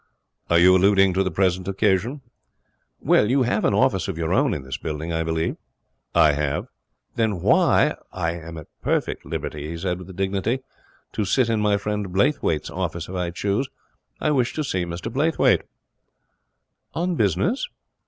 'Are you alluding to the present occasion?' 'Well, you have an office of your own in this building, I believe.' 'I have.' 'Then why ' 'I am at perfect liberty,' he said, with dignity, 'to sit in my friend Blaythwayt's office if I choose. I wish to see Mr Blaythwayt.' 'On business?'